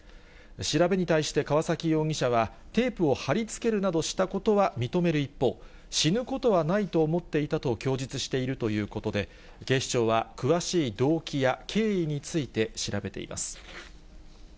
調べに対して川崎容疑者は、テープを貼り付けるなどしたことは認める一方、死ぬことはないと思っていたと供述しているということで、警視庁は詳しい動機や経緯について調べています。